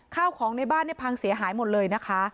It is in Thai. ข้าวของในบ้านเนี่ยพังเสียหายหมดเลยนะคะ